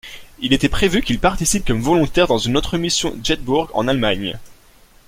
Il était prévu qu'il participe comme volontaire dans une autre mission Jedburgh en Allemagne.